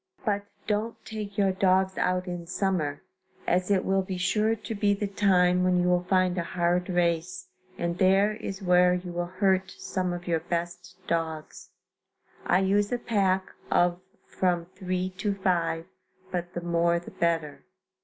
But don't take your dogs out in summer, as it will be sure to be the time when you will find a hard race, and there is where you will hurt some of your best dogs. I use a pack of from three to five, but the more the better.